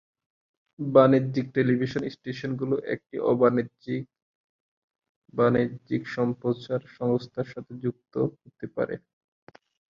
বাণিজ্যিক টেলিভিশন স্টেশনগুলি একটি অ-বাণিজ্যিক বাণিজ্যিক সম্প্রচার সংস্থার সাথেও যুক্ত হতে পারে।